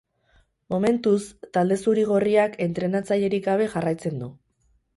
Momentuz, talde zuri-gorriak entrenatzailerik gabe jarraitzen du.